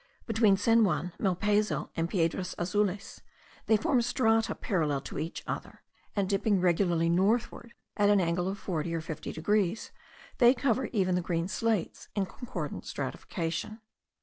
Between San Juan, Malpaso, and Piedras Azules, they form strata parallel to each other; and dipping regularly northward at an angle of 40 or 50 degrees, they cover even the green slates in concordant stratification.